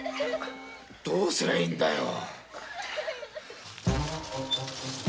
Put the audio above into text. どうすりゃいいんだよ。